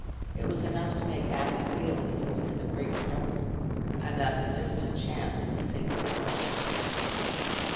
It was enough to make Adam feel that he was in a great temple, and that the distant chant was a sacred song.